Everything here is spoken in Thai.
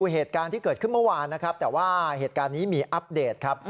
เหตุการณ์ที่เกิดขึ้นเมื่อวานนะครับแต่ว่าเหตุการณ์นี้มีอัปเดตครับ